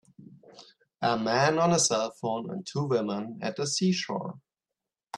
A man on a cellphone and two women at the seashore